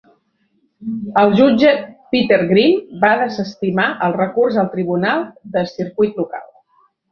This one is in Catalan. El jutge Peter Grimm va desestimar el recurs al tribunal de circuit local.